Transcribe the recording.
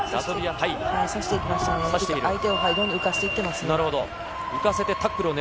相手をどんどん浮かせて行っていますね。